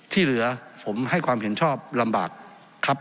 ที่เหลือผมให้ความเห็นชอบลำบากครับ